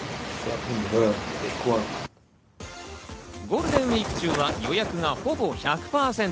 ゴールデンウイーク中は予約がほぼ１００％。